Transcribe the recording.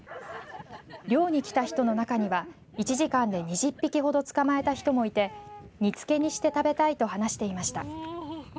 漁に来た人の中には１時間で２０匹ほど捕まえた人もいて煮つけにして食べたいと話していました。